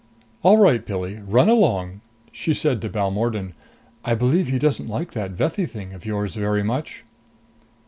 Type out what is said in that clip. All right, Pilli. Run along!" She said to Balmordan, "I believe he doesn't like that Vethi thing of yours very much."